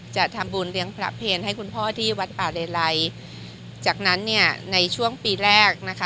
จะทำบุญเลี้ยงพระเพลให้คุณพ่อที่วัดป่าเลไลจากนั้นเนี่ยในช่วงปีแรกนะคะ